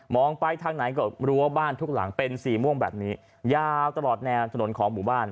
ไปทางไหนก็รั้วบ้านทุกหลังเป็นสีม่วงแบบนี้ยาวตลอดแนวถนนของหมู่บ้าน